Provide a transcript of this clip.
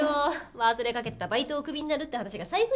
忘れかけてたバイトをクビになるって話が再浮上してきて。